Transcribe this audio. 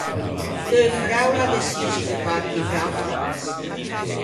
Teu fræ o l’à deçiso de partî pe-a Fransa.